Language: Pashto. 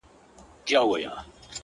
د ژوند دوران ته دي کتلي گراني ،